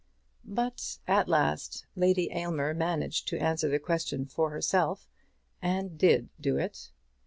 But at last Lady Aylmer managed to answer the question for herself, and did do it.